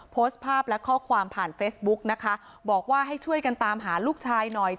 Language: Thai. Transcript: โพสต์ภาพและข้อความผ่านเฟซบุ๊กนะคะบอกว่าให้ช่วยกันตามหาลูกชายหน่อย